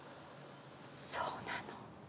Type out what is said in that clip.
そうなの。